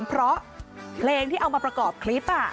เพราะเพลงที่เอามาประกอบคลิป